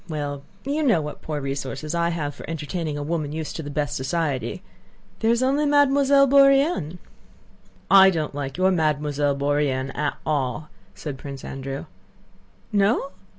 well, you know what poor resources I have for entertaining a woman used to the best society. There is only Mademoiselle Bourienne...." "I don't like your Mademoiselle Bourienne at all," said Prince Andrew. "No?